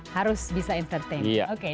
harus bisa entertainment